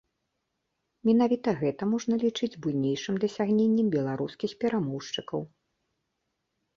Менавіта гэта можна лічыць буйнейшым дасягненнем беларускіх перамоўшчыкаў.